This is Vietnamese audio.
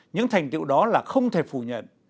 những thành tựu đó là không thể phủ nhận